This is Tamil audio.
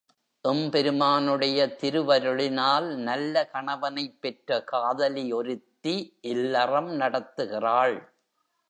எம்பெருமானுடைய திருவருளினால் நல்ல கணவனைப் பெற்ற காதலி ஒருத்தி இல்லறம் நடத்துகிறாள்.